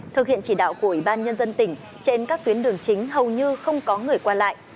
thực hiện chỉ đạo của ủy ban nhân dân tỉnh trên các tuyến đường chính hầu như không có người qua lại